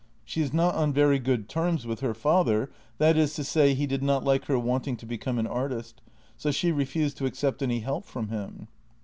She is not on very good terms with her father — that is to say, he did not like her wanting to become an artist, so she refused to accept any help from him."